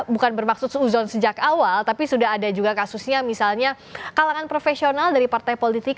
bukan bermaksud seuzon sejak awal tapi sudah ada juga kasusnya misalnya kalangan profesional dari partai politik